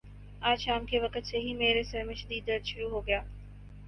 آج شام کے وقت سے ہی میرے سر میں شدد درد شروع ہو گیا۔